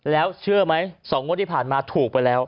แล้วเชื่อไหม๒งวดที่ผ่านมาถูกไปแล้ว